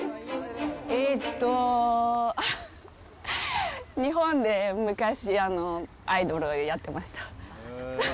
えーっと、日本で昔、アイドルをやってました。